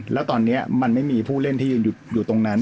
แล้วตอนนี้มันไม่มีผู้เล่นที่ยืนอยู่ตรงนั้น